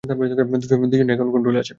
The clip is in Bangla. দুজনেই এখন কন্ট্রোলে আছে।